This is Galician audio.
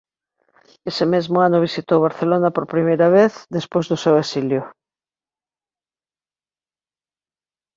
Ese mesmo ano visitou Barcelona por primeira vez despois do seu exilio.